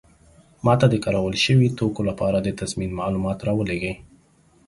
ما ته د کارول شوي توکو لپاره د تضمین معلومات راولیږئ.